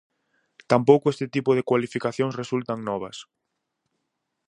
Tampouco este tipo de cualificacións resultan novas.